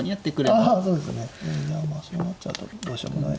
まあそうなっちゃうとどうしようもない。